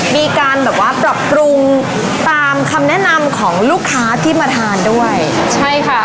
มีการแบบว่าปรับปรุงตามคำแนะนำของลูกค้าที่มาทานด้วยใช่ค่ะ